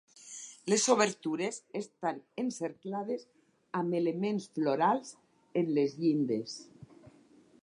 Les obertures estan encerclades amb elements florals en les llindes.